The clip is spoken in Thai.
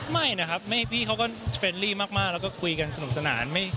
ไม่นะครับพี่เขาก็เฟรนลี่มากแล้วก็คุยกันสนุกสนาน